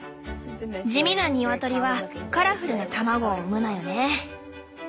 地味なニワトリはカラフルな卵を産むのよね。